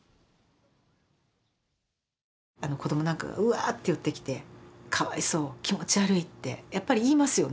子どもなんかうわって寄ってきて「かわいそう」「気持ち悪い」ってやっぱり言いますよね。